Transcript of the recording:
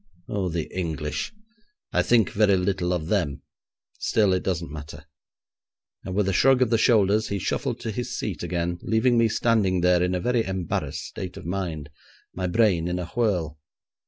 'Oh, the English! I think very little of them. Still, it doesn't matter,' and with a shrug of the shoulders he shuffled to his seat again, leaving me standing there in a very embarrassed state of mind; my brain in a whirl.